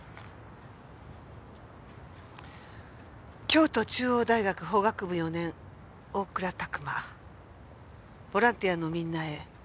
「京都中央大学法学部四年大倉琢磨」「ボランティアのみんなへ」